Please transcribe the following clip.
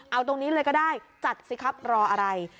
เอาตรงนี้เลยก็ได้จัดสิครับรออะไร